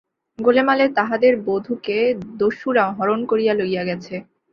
গোলেমালে তাহাদের বধূকে দস্যুরা হরণ করিয়া লইয়া গেছে।